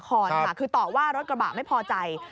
คือต่อว่ารถกระบะไม่พอใจ